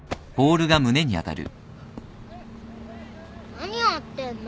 何やってんの？